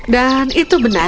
dan itu benar